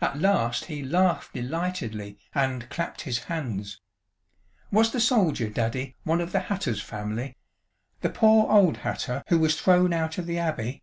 At last he laughed delightedly and clapped his hands. "Was the soldier, Daddy, one of the hatter's family the poor old hatter who was thrown out of the Abbey?"